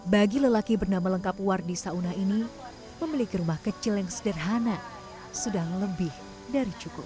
bagi lelaki bernama lengkap wardi sauna ini memiliki rumah kecil yang sederhana sudah lebih dari cukup